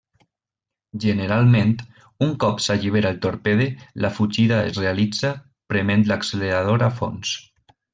Generalment, un cop s'allibera el torpede la fugida es realitza prement l'accelerador a fons.